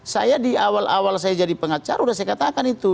saya di awal awal saya jadi pengacara sudah saya katakan itu